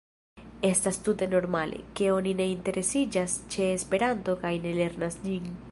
Estas tute normale, ke oni ne interesiĝas ĉe Esperanto kaj ne lernas ĝin.